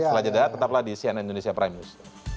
selaajadah tetaplah di sian indonesia prime news